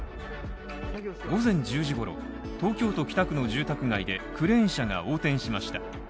午前１０時ごろ、東京都北区の住宅街で、クレーン車が横転しました。